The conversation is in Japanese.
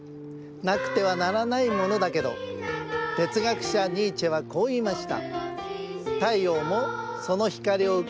なくてはならないものだけどてつがくしゃニーチェはこういいました。